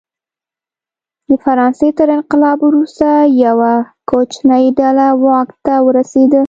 د فرانسې تر انقلاب وروسته یوه کوچنۍ ډله واک ته ورسېده.